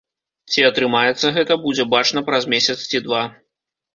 Ці атрымаецца гэта, будзе бачна праз месяц ці два.